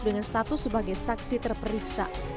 dengan status sebagai saksi terperiksa